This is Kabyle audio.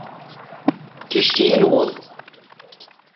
Ticki i newweḍ.